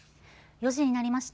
４時になりました。